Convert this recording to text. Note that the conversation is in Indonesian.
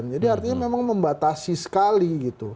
jadi artinya memang membatasi sekali gitu